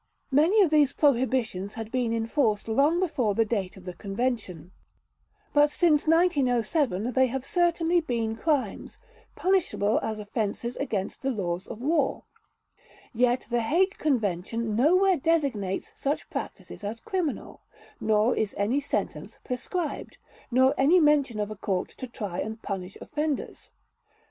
Many of these prohibitions had been enforced long before the date of the Convention; but since 1907 they have certainly been crimes, punishable as offenses against the laws of war; yet the Hague Convention nowhere designates such practices as criminal, nor is any sentence prescribed, nor any mention made of a court to try and punish offenders.